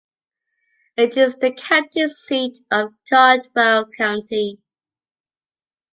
It is the county seat of Caldwell County.